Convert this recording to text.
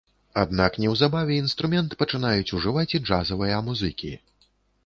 Аднак неўзабаве інструмент пачынаюць ужываць і джазавыя музыкі.